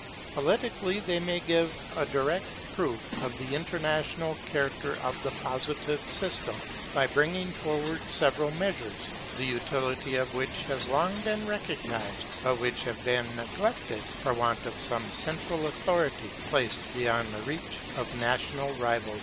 Politically they may give a direct proof of the international character of the Positive system, by bringing forward several measures, the utility of which has long been recognized, but which have been neglected for want of some central authority placed beyond the reach of national rivalry.